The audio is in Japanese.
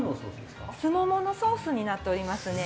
すもものソースになっておりますね。